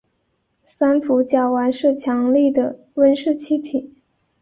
三氟甲烷是强力的温室气体。